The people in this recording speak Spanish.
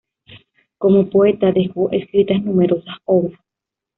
Como poeta, dejó escritas numerosas obras.